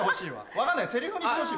分かんないセリフにしてほしい。